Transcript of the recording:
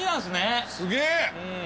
すげえ。